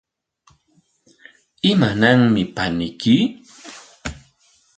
¿Imananmi paniyki?